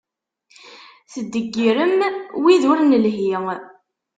Teddeggirem wid ur nelhi.